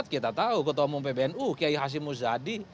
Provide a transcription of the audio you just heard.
dua ribu empat kita tahu ketua umum pbnu kiai hasim muzadi